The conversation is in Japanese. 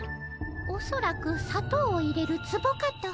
おそらくさとうを入れるツボかと。